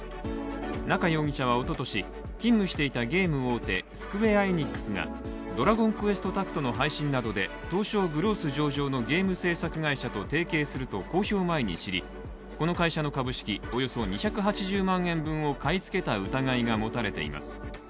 中容疑者はおととし勤務していたゲーム大手、スクウェア・エニックスがドラゴンクエストタクトの配信などで東証グロース上場のげーむせいさくがと提携すると公表前に知り、この会社の株式およそ２８０万円分を買い付けた疑いが持たれています。